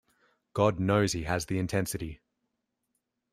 God knows he has the intensity.